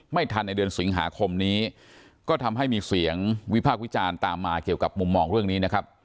ไม่ทันในเดือนสิงหาคมนี้ก็ทำให้มีเสียงวิพากษ์วิจารณ์ตามมาเกี่ยวกับมุมมองเรื่องนี้นะครับ